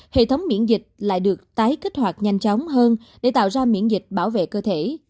hệ thống miễn dịch lại được tái kích hoạt nhanh chóng hơn để tạo ra miễn dịch bảo vệ cơ thể